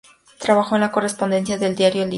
Trabajó en las corresponsalía del diario El Litoral.